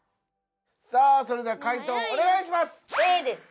さあそれでは解答お願いします！